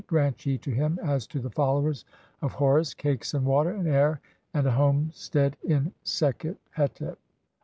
Grant ye [to him], as to the followers "of Horus, cakes, and water, and air, and a homestead in Sekhet "hetep."